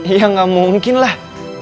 ya gak mungkin lah